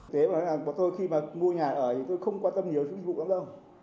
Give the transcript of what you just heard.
thế mà tôi khi mà mua nhà ở thì tôi không quan tâm nhiều chút dịch vụ lắm đâu